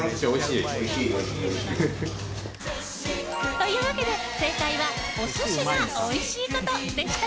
というわけで、正解はお寿司がおいしいことでした。